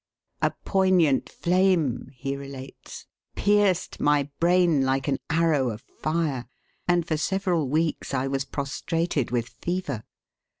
"A poignant flame," he relates, "pierced my brain like an arrow of fire, and for several weeks I was prostrated with fever.